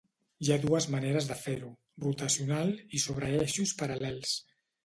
Hi ha dues maneres de fer-ho; rotacional i sobre eixos paral·lels.